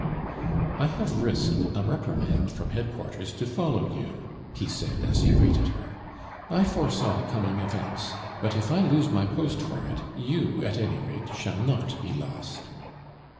"I have risked a reprimand from headquarters to follow you," he said, as he greeted her; "I foresaw coming events. But if I lose my post for it, YOU, at any rate, shall not be lost."